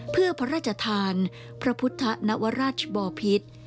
เพื่อพระราชทานพระพุทธนวราชบอพิษ